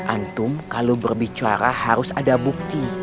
antum kalau berbicara harus ada bukti